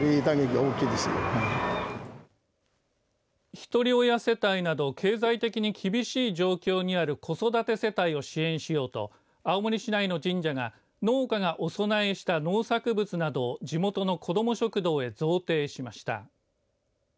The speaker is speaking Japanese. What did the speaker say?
１人親世帯など経済的に厳しい状況にある子育て世帯を支援しようと青森市内の神社が農家がお供えした農作物などを地元の子ども食堂へ贈呈しました。